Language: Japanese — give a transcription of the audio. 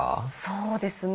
そうですね